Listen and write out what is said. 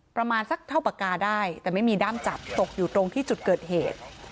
ประมาณสักเท่าปากกาได้แต่ไม่มีด้ามจับตกอยู่ตรงที่จุดเกิดเหตุ